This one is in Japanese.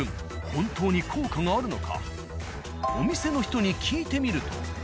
本当にお店の人に聞いてみると。